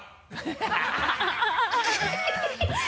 ハハハ